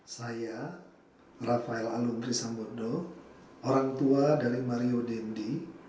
saya rafael aluntria sambodo orang tua dari mario dandi